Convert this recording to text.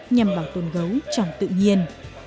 nhằm bảo tồn gấu trong tự nhiên